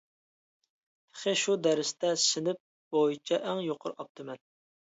تېخى شۇ دەرستە سىنىپ بويىچە ئەڭ يۇقىرى ئاپتىمەن.